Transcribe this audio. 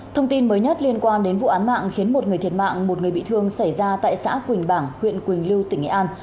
thông tin mới nhất liên quan đến vụ án mạng khiến một người thiệt mạng một người bị thương xảy ra tại xã quỳnh bảng huyện quỳnh lưu tỉnh nghệ an